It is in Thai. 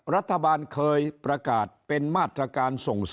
รัฐบาลเคยประกาศเป็นมาตรการส่งเสริม